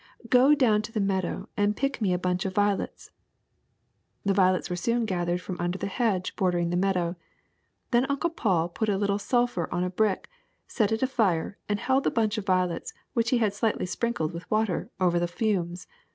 Go down to the meadow and pick me a bunch of violets." The violets were soon gathered from under the hedge bordering the meadow. Then Uncle Paul put a little sulphur on a brick, set it afire, and held the bunch of violets, which he had slightly sprinkled with water, over the fumes.